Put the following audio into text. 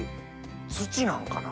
土なんかな？